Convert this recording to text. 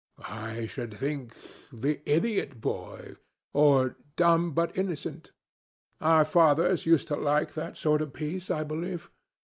"I should think 'The Idiot Boy', or 'Dumb but Innocent'. Our fathers used to like that sort of piece, I believe.